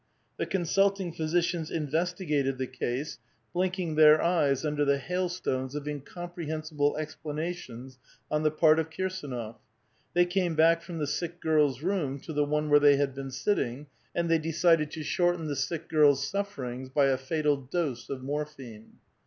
The consulting physicians investi gated the case, blinking their eyes under the hailstones of incomprehensible explanations on the part of Kirsdnof; they came back from the sick girl's room to the one where they had been sitting ; and they decided to shorten the sick girl's sufferings by a fatal dose of morohine.